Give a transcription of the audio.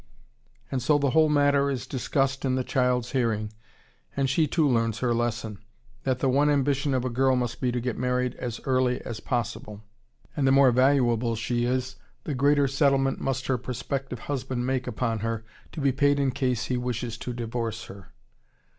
and so the whole matter is discussed in the child's hearing, and she too learns her lesson, that the one ambition of a girl must be to get married as early as possible, and the more valuable she is, the greater settlement must her prospective husband make upon her, to be paid in case he wishes to divorce her.